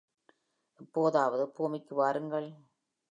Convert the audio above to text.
எப்போதாவது பூமிக்கு வாருங்கள்.